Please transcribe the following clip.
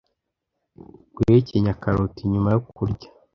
Guhekenya karoti nyuma yo kurya